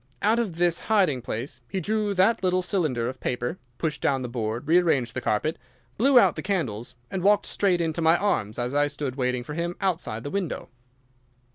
Out of this hiding place he drew that little cylinder of paper, pushed down the board, rearranged the carpet, blew out the candles, and walked straight into my arms as I stood waiting for him outside the window.